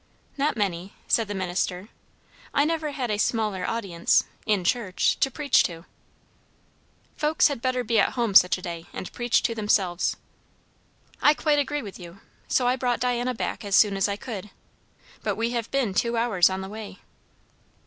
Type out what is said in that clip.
"Not many," said the minister. "I never had a smaller audience in church to preach to." "Folks had better be at home such a day, and preach to themselves." "I quite agree with you. So I brought Diana back as soon as I could. But we have been two hours on the way."